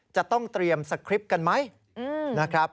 จะต้องเตรียมสคริปต์กันไหมนะครับ